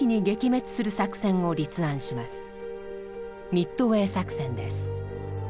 ミッドウェー作戦です。